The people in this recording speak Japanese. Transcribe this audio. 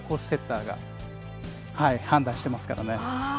セッターが判断していきますからね。